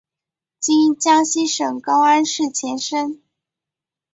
今江西省高安市前身。